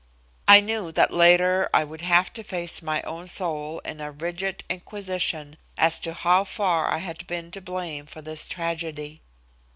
I knew that later I would have to face my own soul in a rigid inquisition as to how far I had been to blame for this tragedy.